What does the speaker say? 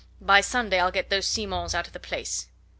By Sunday I'll get those Simons out of the place.